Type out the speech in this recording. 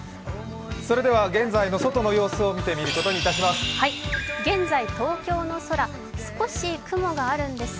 現在外の様子を見てみることにいたします。